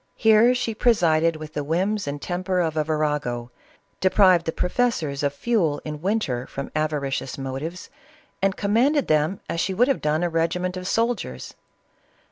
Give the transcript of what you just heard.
Here she presided with the whims and temper of a virago, deprived the professors of fuel in winter, from avari cious motives, and commanded them as she would have done a regiment of soldiers.